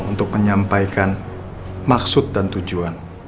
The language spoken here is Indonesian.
untuk menyampaikan maksud dan tujuan